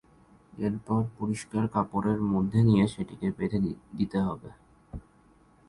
এরপর পরিষ্কার কাপড়ের মধ্যে নিয়ে সেটিকে বেঁধে দিতে হবে।